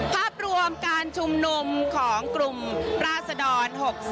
ภาพรวมการชุมนุมของกลุ่มราศดร๖๒